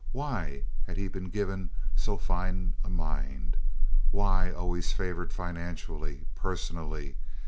Why had he been given so fine a mind? Why always favored financially, personally?